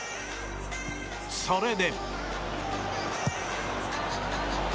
それでも。